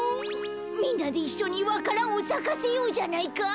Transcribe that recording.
みんなでいっしょにわか蘭をさかせようじゃないか。